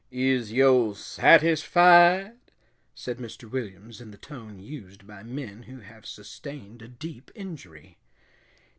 "Is yo' satisfied?" said Mr. Williams, in the tone used by men who have sustained a deep injury.